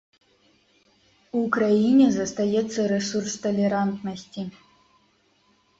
У краіне застаецца рэсурс талерантнасці.